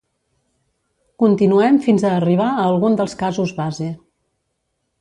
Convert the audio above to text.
Continuem fins a arribar a algun dels casos base.